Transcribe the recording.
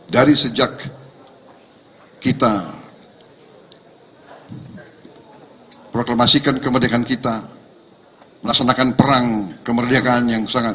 dari sejak kita proklamasikan kemerdekaan kita melaksanakan perang kemerdekaan yang sangat